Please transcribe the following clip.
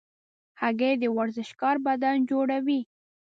هګۍ د ورزشکار بدن جوړوي.